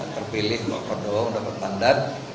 terpilih lho kodong dapat tandat